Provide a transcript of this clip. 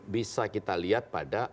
bisa kita lihat pada